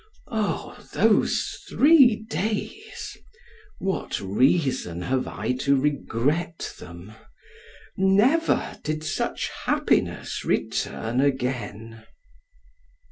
Oh! these three days! what reason have I to regret them! Never did such happiness return again.